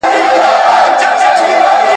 دوی به په راتلونکي کي د هېواد خدمت وکړي.